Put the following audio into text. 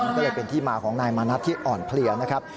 ก็เลยเป็นที่มาของนายมานัดที่อ่อนเพลียนะครับ